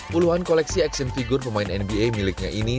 puluhan koleksi action figure pemain nba miliknya ini